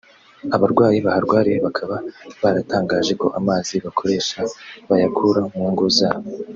abarwayi baharwariye bakaba baratangaje ko amazi bakoresha bayakura mu ngo zabo